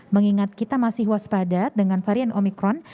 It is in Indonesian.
mengingat kita masih waspada dengan varian omikron